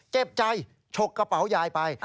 เจ็บใจฉกกระเป๋ายายไป